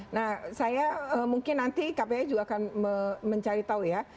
nah saya mungkin nanti kpi juga akan mencari tahu ya